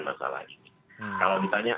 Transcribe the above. masalah ini kalau ditanya